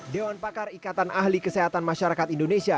dewan pakar ikatan ahli kesehatan masyarakat indonesia